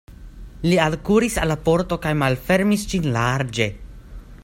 Li alkuris al la pordo kaj malfermis ĝin larĝe.